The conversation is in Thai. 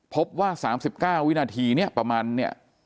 พบว่า๓๙วินาทีเนี่ยประมาณเนี่ย